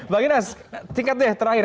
bang inas singkatnya terakhir